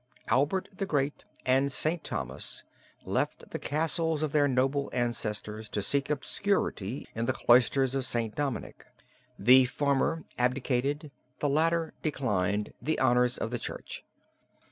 Albert the Great and St. Thomas left the castles of their noble ancestors to seek obscurity in the cloisters of St. Dominic: the former abdicated, and the latter declined, the honors of the Church.